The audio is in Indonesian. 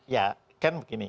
ya kan begini